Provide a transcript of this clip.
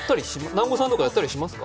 南後さんとかやったりします？